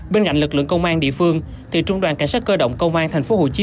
bên cạnh lực lượng công an địa phương thì trung đoàn cảnh sát cơ động công an thành phố hồ chí